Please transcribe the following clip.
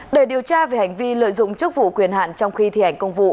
để điều tra về hành vi lợi dụng chức vụ quyền hạn trong khi thi hành công vụ